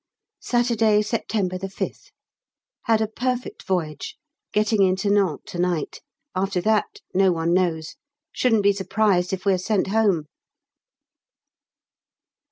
Saturday, September 5th. Had a perfect voyage getting in to Nantes to night after that no one knows. Shouldn't be surprised if we are sent home.